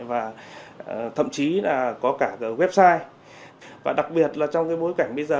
và thậm chí là có cả website và đặc biệt là trong cái bối cảnh bây giờ